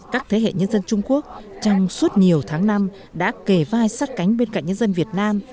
các thế hệ nhân dân trung quốc trong suốt nhiều tháng năm đã kề vai sát cánh bên cạnh nhân dân việt nam